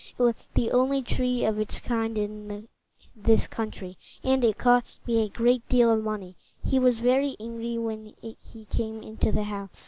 "It was the only tree of its kind in this country, and it cost me a great deal of money." He was very angry when he came into the house.